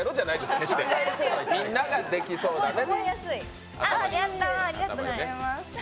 みんなができそうだね。